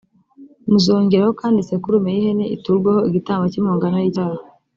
muzongeraho kandi isekurume y’ihene iturweho igitambo cy’impongano y’icyaha